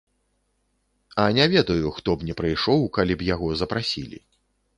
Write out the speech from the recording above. А не ведаю, хто б не прыйшоў, калі б яго запрасілі.